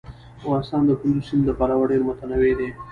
افغانستان د کندز سیند له پلوه ډېر متنوع دی.